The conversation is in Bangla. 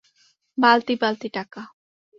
বালতি বালতি টাকা।